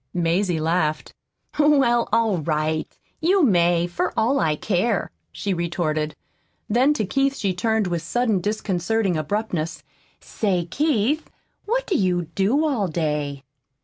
Mazie laughed. "Well, all right, you may, for all I care," she retorted. Then to Keith she turned with sudden disconcerting abruptness: "Say, Keith, what do you do all day?"